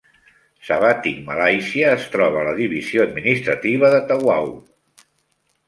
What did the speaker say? Sebatik Malaysia es troba a la divisió administrativa de Tawau.